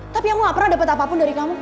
tapi kamu gak pernah dapat apapun dari kamu